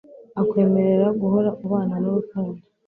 akwemerera guhora ubana nurukundo